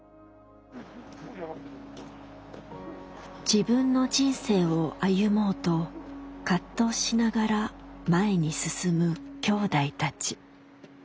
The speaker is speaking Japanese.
自分の人生を歩もうと葛藤しながら前に進むきょうだいたち。